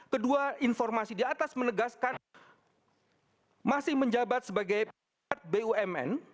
kedua informasi di atas menegaskan masih menjabat sebagai pejabat bumn